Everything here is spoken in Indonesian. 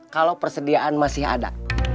kalau persediaan masih ada